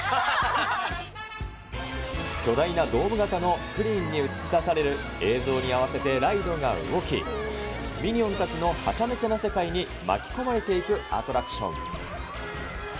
巨大なドーム型のスクリーンに映し出される映像に合わせてライドが動き、ミニオンたちのはちゃめちゃな世界に巻き込まれていくアトラクション。